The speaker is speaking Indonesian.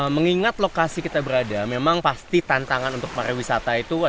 mengingat lokasi kita berada memang pasti tantangan untuk para wisata itu ada yang menantang ya